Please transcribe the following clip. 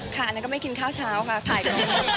ค่ะอันนั้นก็ไม่กินข้าวเช้าค่ะถ่ายก่อน